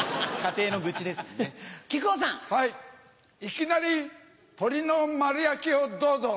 いきなり鶏の丸焼きをどうぞ！